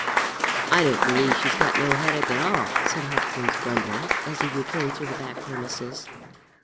"I don't believe she's got no headache at all," said Hopkins, grumbling, as he returned through the back premises.